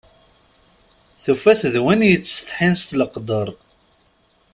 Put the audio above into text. Tufa-t d win yettsetḥin s leqder.